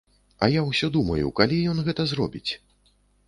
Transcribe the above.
А я ўсё думаю, калі ён гэта зробіць?